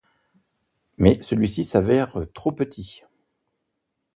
Mais celui-ci s'avère trop petit.